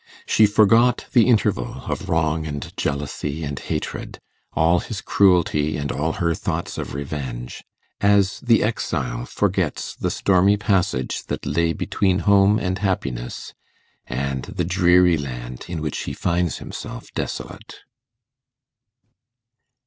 She forgot the interval of wrong and jealousy and hatred all his cruelty, and all her thoughts of revenge as the exile forgets the stormy passage that lay between home and happiness and the dreary land in which he finds himself desolate.